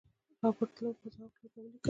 رابرټ لو په ځواب کې ورته ولیکل.